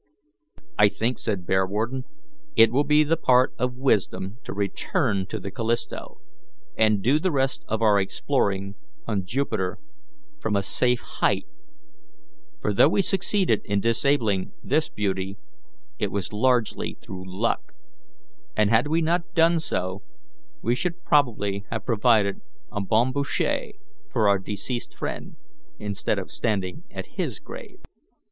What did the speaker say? "I think," said Bearwarden, "it will be the part of wisdom to return to the Callisto, and do the rest of our exploring on Jupiter from a safe height; for, though we succeeded in disabling this beauty, it was largely through luck, and had we not done so we should probably have provided a bon bouche for our deceased friend, instead of standing at his grave."